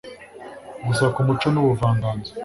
gusa ku muco n'ubuvanganzo